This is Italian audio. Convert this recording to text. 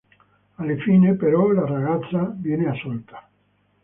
Alla fine, però, la ragazza viene assolta.